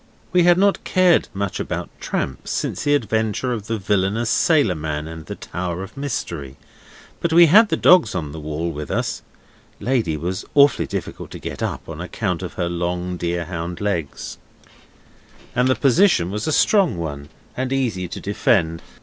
We had not cared much about tramps since the adventure of the villainous sailor man and the Tower of Mystery, but we had the dogs on the wall with us (Lady was awfully difficult to get up, on account of her long deer hound legs), and the position was a strong one, and easy to defend.